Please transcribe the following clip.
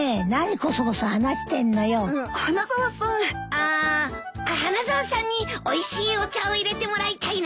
あー花沢さんにおいしいお茶を入れてもらいたいな。